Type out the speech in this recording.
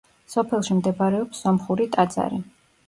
სოფელში მდებარეობს სომხური ტაძარი.